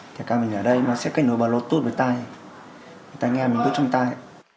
thẻ càng mình ở đây nó sẽ kết nối bởi lô tút với tai tai nghe mình bước trong tai